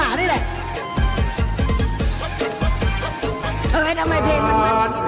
ปาเฉรียมนี้นี่พ่อให้กลับห้าที่จะทำวั๋นเติบ